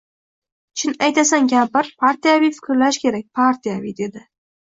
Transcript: — Chin aytasan, kampir, partiyaviy fikrlash kerak, partiyaviy, — dedi.